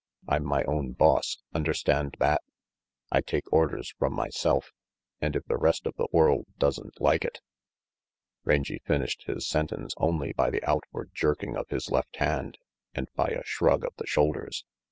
I'm my own boss, understand that. I take orders from myself and if the rest of the world doesn't like it Rangy finished his sentence only by the outward jerking of his left hand, and by a shrug of the shoulders.